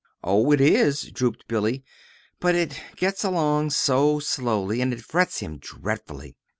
"Oh, it is," drooped Billy, "but it gets along so slowly, and it frets him dreadfully.